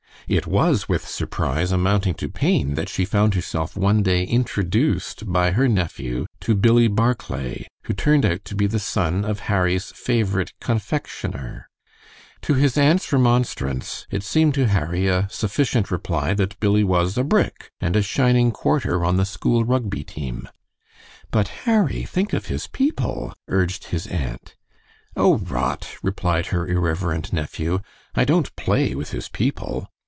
It was with surprise amounting to pain that she found herself one day introduced by her nephew to Billie Barclay, who turned out to be the son of Harry's favorite confectioner. To his aunt's remonstrance it seemed to Harry a sufficient reply that Billy was a "brick" and a shining "quarter" on the school Rugby team. "But, Harry, think of his people!" urged his aunt. "Oh, rot!" replied her irreverent nephew; "I don't play with his people."